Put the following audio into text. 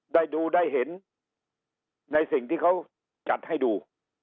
ได้ดูได้เห็นในสิ่งที่เขาจัดให้ดู